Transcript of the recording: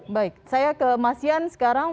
baik saya ke mas yan sekarang